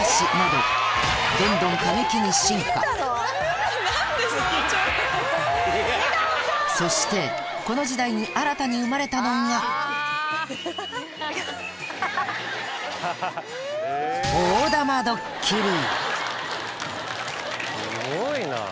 どんどん過激に進化そしてこの時代に新たに生まれたのがすごいな。